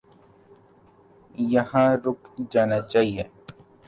یہاں رک جانا چاہیے۔